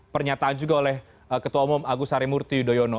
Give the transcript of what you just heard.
pernyataan juga oleh ketua umum agus harimurti yudhoyono